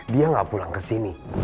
dia gak pulang kesini